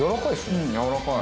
うんやわらかい。